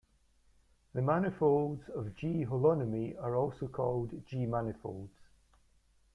The manifolds of G holonomy are also called G-manifolds.